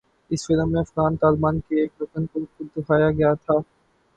اس film میں Afghan Taliban کے ایک رکن کو دکھایا گیا تھا